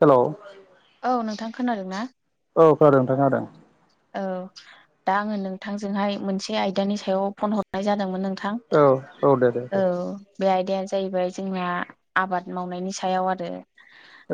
हेल' औ नोंथां खोनादों ना? औ खोनादों नोंथां खोनादों। औ दा आङो नोंथांजोंहाय मोनसे आयदानि सायाव फन हरनाय जादोंमोन नों थां औ दे दे दे औ बे आय दाया जाहैबाय जोंना आबाद मावनायनि सायाव आरो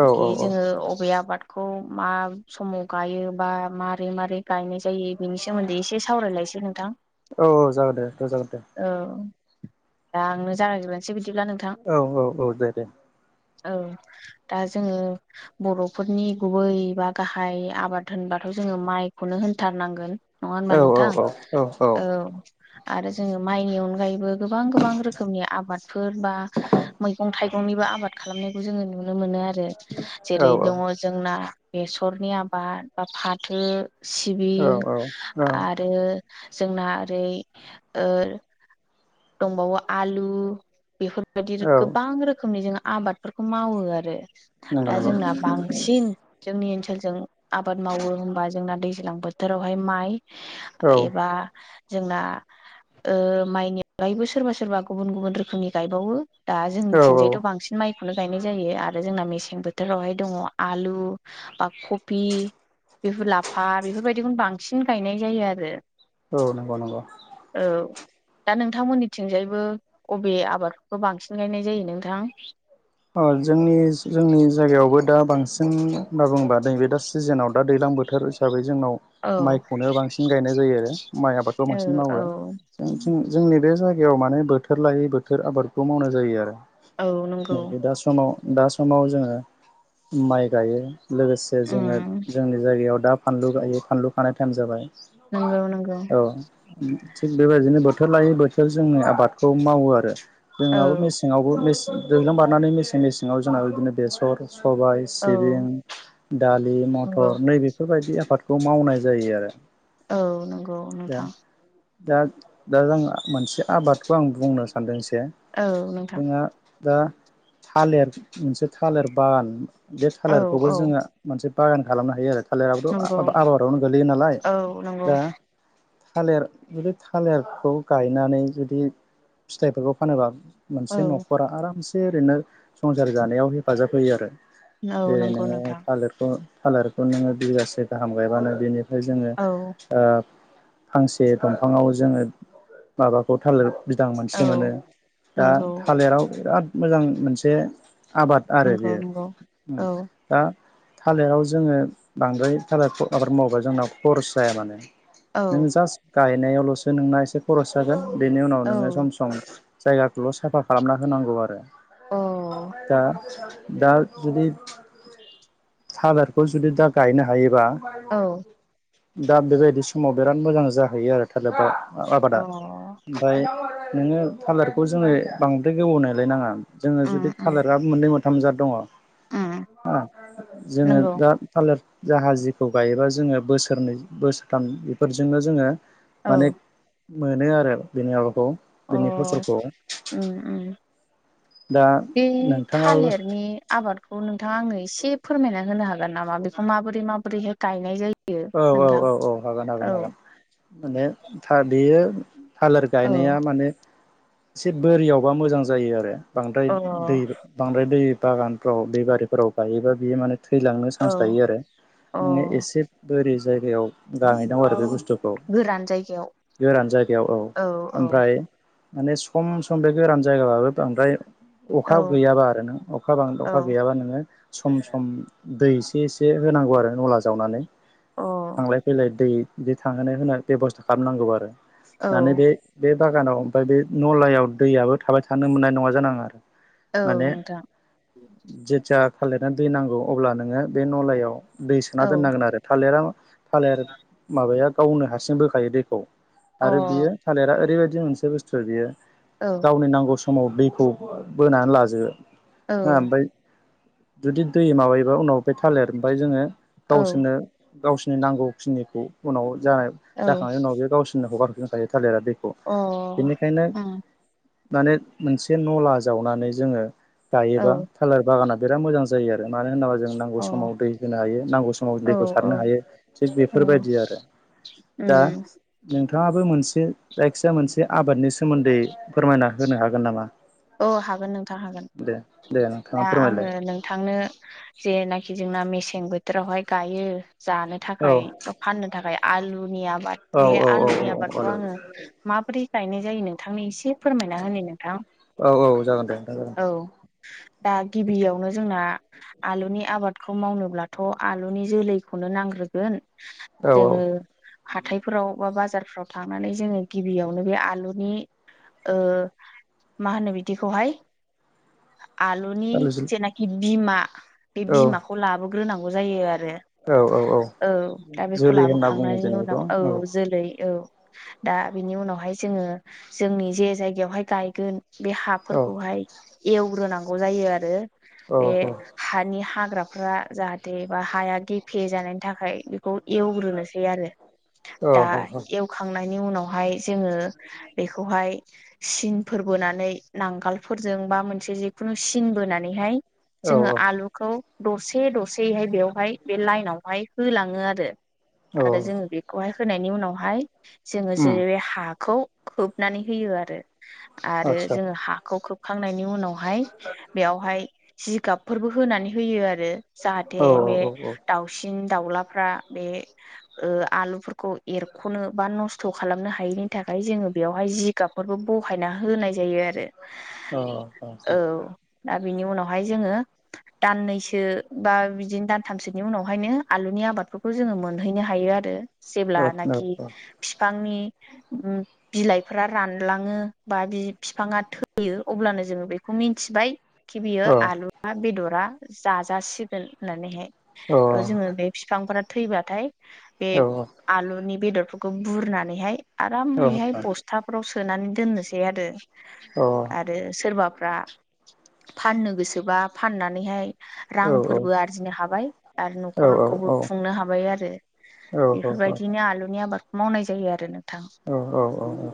औ गि औ औ जोङो अबे आबाद खौ मा समाव गायो बा मारै मारै गायनाय जायो बिनि सोमोन्दै एसे सावरायलायसै नोंथां औ औ जागोन दे दे जागोन दे औ दा आंनो जागायग्रोसै बिदि औ औ औ दे दे औ दा जोङो बर'फोरनि गुबै बा गाहाय आबाद होनबा जोङो माइखौनो होनथारनांगोन नङा होनबा औ नोंथां औ औ औ आरो जोङो माइनि अनगायैबो गोबां-गोबां रोखोमनि आबादफोर बा मैगं थाइगं निबो आबाद खालामनायखौ जोङो नुनो मोनो आरो आरो जेरै दङ जोंना बेसरनि आबाद बा फाथो सिबिं औ औ आरो जोंना ओरै ओ दंबावो आलु बेफोर बादि औ गोबां रोखोमनि जोङो आबादफोरखौ मावो आरो। नंगौ दा नंगौ जोंना बांसिन जोंनि ओनसोलजों आबाद मावो होनबा जोंना दैज्लां बोथोरावहाय माइ औ एबा जोंना ओ अनगायैबो सोरबा सोरबा गुबुन गुबुन रोखोमनि गायबावो। दा औ जोंनिथिंजायथ' बांसिन माइ खौनो गायनाय जायो आरो जोंना मेसें बोथोरावहाय दङ आलु बा कपि बिफोर लाफा बेफोरबायदिखौनो बांसिन गायनाय जायो आरो। औ नंगौ नंगौ औ दा नोंथांमोननिथिंजायबो अबे आबादफोरखौ बांसिन गायनाय जायो नोंथां? अह जोंनि जोंनि जायगायावबो‌ दा बांसिन होनना बुंङोबा नैबे दा सिजोनाव दा दैज्लां बोथोर हिसाबै जोंनाव औ माइखौनो बांसिन गायनाय जायो आरो माइ आबादखौ बांसिन औ औ मावो। जोंथिं जोंनि बे जायगायाव माने बोथोर लायै बोथोर आबादखौ मावनाय जायो आरो। औ नं नैबे दा समाव दा समाव जोङो माइ गायो। लोगोसे जोङो उम जोंनि जायगायाव दा फानलु गायो फानलु खानाय टाइम जाबाय। नंगौ नंगौ औ थिग बेबायदिनो बोथोर लायै बोथोर जोंनि आबादखौ मावो आरो औ जोंहाबो मेसेंआवबो मेसें दैज्लां बारनानै मेसें मेसेङाव जोंना बिदिनो बेसर सबाय सिबिं औ दालि नंगौ मथर नैबेफोरबायदि आफाद खौ मावनाय जायो आरो। औ नंगौ दा नोंथां दा दा जों मोनसे आबादखौ आं बुंनो सान्दों औ नोंथां। दा थालिर मोनसे थालिर बान बे औ थालिरखौबो औ जोंङो मोनसे बागान खालामनो हायो आरो थालिराबोथ नंगौ आबादावनो गोलैयो नालाय औ नंगौ दा थालिर जुदि थालिरखौ गायनानै जुदि फिथाइफोरखौ फानोबा मोनसे औ नखरा आरामसे ओरैनो संसार जानायाव हेफाजाब होयो आरो। औ जेरै नंगौ नोंङो नोंथां थालिरखौ थालारखौ नोंङो बिगासे गाहाम गायबानो बिनिफ्राय जोङो औ ओ फांसे दंफाङाव जोंङो माबाखौ थालिर बिदां औ मोनसे मोनो दा नंगौ थालिराव बिराद मोजां मोनसे आबाद आरो नंगौ बेयो नंगौ म औ दा थालिराव जोङो बांद्राय थालिर आबाद मावोबा जोंनाव खरस जाया माने औ नों जास्ट गायनायावल'सो नोंना एसे खरस जागोन बेनि उनाव औ नोंङो सम सम जायगाखौल' साफा खालामना होनांगौ आरो अ दा दा जुदि थालिरखौ जुदि दा गायनो हायोबा औ दा बेबायदि समाव बिराद मोजां जाहैयो आरो थारेफ्रा अ आबादा ओमफ्राय नोंङो थालारखौ जोङो बांद्राय गोबौ नायलाय नाङा। जोङो उम जुदि उम खाालारा मोननै मोनथाम जाद दङ उम जोङो नंगौ दा थालिर जोंहाजखौ गायोबा जोंङो बोसोरनै बोसोरथाम बेफोरजोंनो जोंङो औ मोनो आरो बिनि आबाखौ बिनि अ फसलखौ। उम उम दा बे नोंथाङाबो थालिरनि आबादखौ नों नोंथाङा आंनो एसे फोरमायना होनो हागोन नामा बेखौ माबोरै माबोरैहाय गायनाय जायो? औ औ नोंथां औ औ हागोन औ हागोन। माने थालिर थालिर औ गायनाया माने एसे बोरियावबा मोजां जायो आरो बांद्राय अ दै बांद्राय दै बागानफ्राव बेबारिफोराव गायोबा बियो माने थैलांनो औ चान्स दायो आरो अ नोंङो एसे ओरै जायगायाव गांहै दं आरो बे बुस्थु बुस्थुखौ गोरान जायगायाव गोरान जायगायाव औ ओमफ्राय माने सम सम बे गोरान जायगाबाबो बांद्राय औ अखा गैयाबा आरो नों अखा बांद अखा औ गैयाबा नोङो सम सम दै एसे एसे होनांगौ आरो नला जावनानै अ थांलाय फैलाय दै बिदि थांहोनो होनाय बेब'स्था खालामनांगौ आरो औ माने बे बे बागानाव ओमफ्राय बे नलायाव दैयाबो थाबाय थानो मोननाय नंङा जानाङा आरो। मान औ नोंथां [inaudible] जे ज थालिरना दै नांगौ अब्ला नोंङो बे नलायाव दै सोना औ दोननांगोन आरो थालिरा थालिर माबाया गावनो हारसिं बोखायो दैखौ आरो अ बियो थालिरा ओरैबायदि मोनसे बुस्थु बियो औ गावनि नांगौ समाव दैखौ बोनानै लाजो औ ह ओमफ्राय जुदि दै माबायोबा उनाव थालिर ओमफ्राय जोङो औ गावसोरनो गावसोरनि नांगौखिनिखौ उनाव जानाय औ अ जाखांनायनि उनाव बे गावसोर सिनाखौ गारहनोखायो थालिरा दैखौ बेनिखायनो उम माने मोनसे नला जावनानै जोङो औ गायोबा थालिर बागाना बिराद मोजां जायो आरो मानो होनोब्ला जों नांगौ समाव दै होनो हायो नांगौ समाव अ औ औ हायो थि नंगौ बेफोरबायदि आरो द उम नोंथाङाबो मोनसे जायखिजया मोनसे आबादनि सोमोन्दै फोरमायना होनो हागोन नामा? औ हागोन नोंथां हागोन दे दे नोंथाङा दा आङो फोरमायलाय नोंथांनो जेनाखि जोंना मेसें बोथोरावहाय गायो जानो औ थाखाय फाननो थाखाय आलुनिया आबाद औ बे औ आलुनि औ आबादखौ आंङो माबोरै गायनाय जायो नोंथांनि एसे फोरमायना होनो नोंथां औ औ औ जागोन दे। नोंथां जागोन दे औ दा गिबियावनो जोंना, आलुनि आबादखौ मावनोब्लाथ' आलुनि जोलैखौनो नांग्रोगोन? औ औ जोङो हाथायफोराव बा बाजारफोराव थांनानै जोङो गिबियावनो बे आलुनि मा होनो बिदिखौहाय? आलुनि आलु जि जेनाखि बिमा बे औ बिमाखौ लाबोग्रोनांगौ जायो आरो आरो औ दा बेखौ जोलै होनना बुङो लाबोखांनायनि जों बेखौ उनाव औ जोलै औ दा बिनि उनावहाय जोङो जोंनि जे जायगायावहाय गायगोन! बे औ हाफोरखौहाय एवग्रोनांगौ जायो आरो औ बे हानि हा हाग्राफ्रा जाहाथे बा हाया गेफे जानायनि थाखाय बेखौ एवग्रोनोसै आरो दा एवखांनायनि उनाव, हाय जोङो बेखौहाय सिनफोर बोनानै नांगालफोरजों बा मोनसे जिखुनु सिन बोनानैहाय औ जोङो आलुखौ दरसे दरसेैहाय बेवहाय बे लाइनावहाय होलाङो आरो औ आरो जोङो बेखौहाय होनायनि उनावहाय जोङो उम जेरै हाखौ खोबनानै होयो आरो आरो आदसा जोङो हाखौ खोबखांनायनि उनाव हाय बेयावहाय जिगाबफोरबो होनानै होयो आरो जाहाथे औ औ बे दाउसिन दाउलाफ्रा बे आलुफोरखौ एरख'नो बा नस्थ' खालामनो हायैनि थाखाय। ओमफ्राय जोङो बेयावहाय जिगाबफोरबो बहायना होनाय जायो आरो अ औ अ! दा बिनि उनावहाय जोङो दाननैसो बा बिदिनो दानथामसोनि उनावहायनो आलुनि आबादफोरखौ जोङो मोनहैनो हायो आरो जेब्लानखि बिफांनि बिलाइफोरा रानलाङो बा बि बिफाङा थैयो। अब्लानो जोङो बेखौ मिन्थिबाय खि बियो आलुआ बेदरा जाजासिगोन होननानैहाय। थ' जोङो बे बिफांफोरा थैबाथाय बे आलुनि बेदरफोरखौ बुरनानैहाय आरामैहाय बस्थाफ्रावसो सोनानै दोननोसै आरो औ। आरो सोरबाफ्रा फाननो गोसोबा फाननानैहाय रांफोरबो आरजिनो हाबाय आरो न'खरखौबो खुंनो हाबाय आरो औ औ बेफोरबायदिनो आलुनि आबादखौ मावनाय जायो आरो नों, औ औ औ औ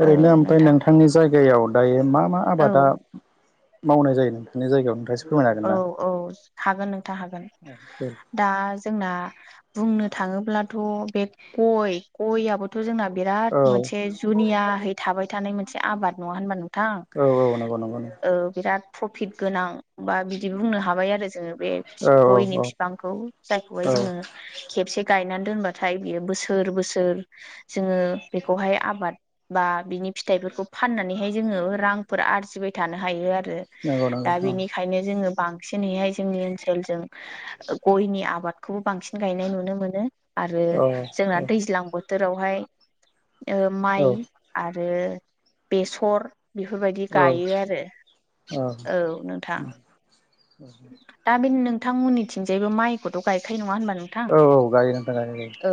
ओरैनो ओमफ्राय नोंथां नोंथांनि जायगायाव दायो मा मा औ आबादा मावनाय जायो नोंथांनि जायगायाव? फोरमायनो औ औ हागोन नोंथाङ हागोन। दा जोंना बुंनो थाङोब्लाथ' बे गय गय आबोथ' जोंना बिराद मोनसे जुनियाहै थाबाय थानाय मोनसे आबाद नङा होनबा? नों थां हागोन ना? बिराद प्रफिट गोनां बिदि बुंनो हाबाय आरो जोङो। बे औ औ नंगौ औ गयनि बिफांखौ जायखौहाय औ जोङो खेबसे गायनानै दबाथाय बियो बोसोर बोसोर जोङो बेखौहाय आबाद बा बिनि फिथाय फोरखौहाय फाननानै जोङो रां आरजि थानो हायो आरो नंगौ नंगौ द बिनि बेंखायनो जोङो बांसिनैहाय जोंनि ओनसोलजों गयनि आबादखौबो बांसिन गायनाय नुनो मोनो। आरो औ औ जोंना दैज्लां बोथोरावहाय माइ आरो आरो बेसर बेफोरबायदि औ गायो आरो औ नोंथां। दा बे नोंथांमोननिथिंजायबो माइखौथ' गायखायो नङा होनबा? औ औ गायो गायो गायो नोंथां। औ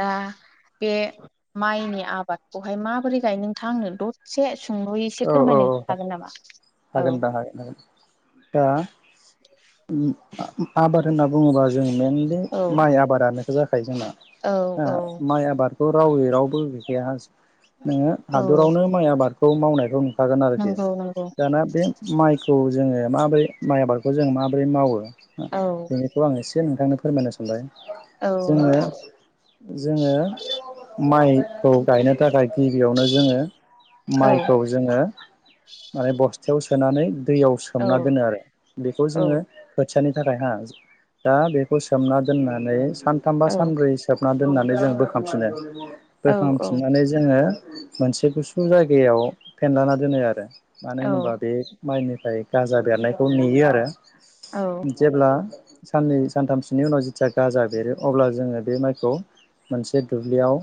दा बे माइनि आबादखौहाय माबोरै गायो नोंथां? आंनो दसे सुंदयै एसे औ औ फोरमायनो हागोन नामा? औ हागोन नोंथां हागोन हागोन दा आबाद होनना बुङोबा जों मेनलि औ माइ आबादानोथ' जाखायो जोंना औ हो औ माइ आबाद रावै रावबो गैखाया नोङो औ हादरावनो माइ आबादखौ मावनायखौ थागोन आरोखि नंगौ नंगौ दाना बे माइखौ जोङो माबोरै माइ आबादखौ जों माबोरै मावो औ बेनिखौ आं एसे नोंथांनो फोरमायनो सानबाय। औ जोङो नोंथां जोङो माइ खौ गायनो थाखाय गिबियावनो जोङो औ माइ खौ जोङो माने बस्थायाव सोनानै दैयाव औ सोमना दोनो आरो बेखौ जोङो औ खोथियानि थाखाय हा दा बेखौ सोमना दोननानै सानथामबा औ सानब्रै सोम ना दोननानै जों बोखांफिनो औ औ बोखांफिननानै जोङो मोनसे गुसु जायगायाव फेनलाना दोनो आरो मानो होनोबा औ बे माइनि गाजा बेरनायखौ नुयो आरो औ जेब्ला साननै सानथामसोनि उनाव जेथिया गाजा बेरो अब्ला जोङो बे माइखौ मोनसे दुब्लियाव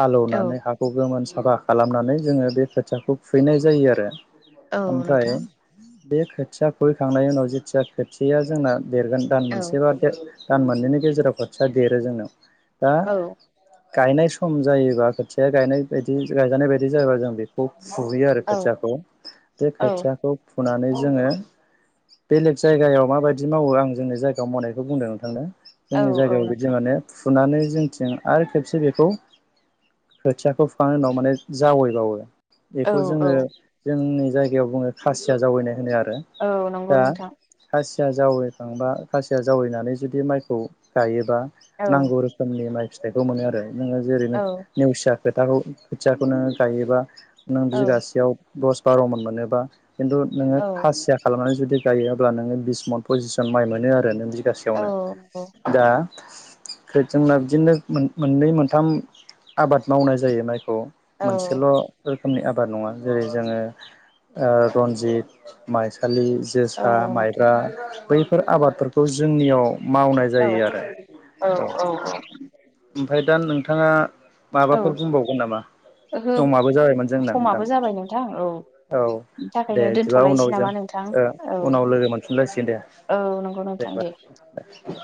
हालौनानै औ हाखौ गोमोन साफा खालामनानै जोङो बे खोथियाखौ खुबहैनाय जायो आरो औ ओमफ्राय नोंथां बे खोथिया खुबैखांनायनि उनाव जेथिया खोथियाआ जोंना देरगोन दान औ मोनसेबा देर दान मोननैनि गेजेराव खोथिया देरो जोंनाव दा औ गायनाय सम जायोबा खोथिया गायनाय बायदि गायजानाय बायदि जायोाबा जों बेखौ फुहैयो आरो औ खोथियाखौ बे औ खोथियाखौ फुनानै जोङो बेलेग जायगायाव माबायदि मावो आं जोंनि जायगायाव मावनायखौ बुंदों नोंथांनो। औ जोंनि जायगायाव नोंथां बिदि माने फुनानै जोंनिथिं आरो खेबसे बेखौ खोथियाखौ फुखांनायनि उनाव माने जावैबावो औ बेखौ औ जोङो जोंनि जायगायाव बुङो खासिया जावैनाय होनो आरो औ नंगौ दा नोंथां खासि खासिया जावैखांबा खासिया जावैनानै जुदि माइखौ गायोबा औ नांगौ रोखोमनि माइ फिथाइखौ मोनो आरो नोङो जेरैनो औ नेवसिया खोथाखौ खोथियाखौ नो गायोबा नों औ बिगासेयाव दस बार' मन मोनोबा खिन्थु नोङो औ खासिया खालामनानै जुदि बिदि गायो अब्ला नोङो बिस मन पसिस जन माइ मोनो आरो नों औ बिगासेयावनो नंगौ दा खो जोंना बिदिनो मोन मोननै मोनथाम आबाद मावनाय जायो माइ औ मोनसेल रोखोमनि आबाद नङा जेरै जोङो ओ रनजित, माइसालि औ जोसा नोंथां माइब्रा बैफोर आबादफोरखौ जोंनियाव मावनाय औ जायो आरो औ ओमफ्राय दा नोंथाङा औ माबाफोर बुंबावगोन नामा ओहो समाबो जाबाय समाबो जाबाय नोंथां औ औ बिनि दे थाखायनो बिदिबा दोनथ'लायसै उनाव जों नामा नोंथां ओ औ उनाव लोगो मोनफिनलायसिगोन दे। औ नंगौ दे नोंथां होमबा।